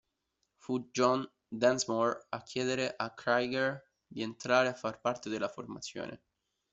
Fu John Densmore a chiedere a Krieger di entrare a far parte della formazione.